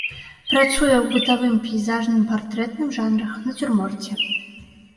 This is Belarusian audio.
Працуе ў бытавым, пейзажным, партрэтным жанрах, нацюрморце.